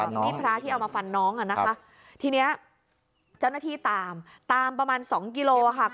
มีมีดพระที่เอามาฟันน้องอ่ะนะคะทีเนี้ยเจ้าหน้าที่ตามตามประมาณสองกิโลอ่ะค่ะ